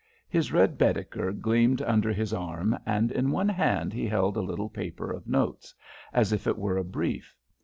His red "Baedeker" gleamed under his arm, and in one hand he held a little paper of notes, as if it were a brief.